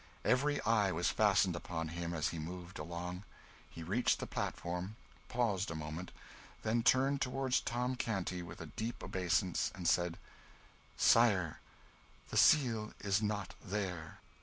Every eye was fastened upon him as he moved along. He reached the platform, paused a moment, then moved toward Tom Canty with a deep obeisance, and said "Sire, the Seal is not there!"